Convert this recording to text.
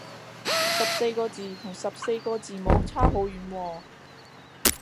十四個字同十四個字母差好遠喎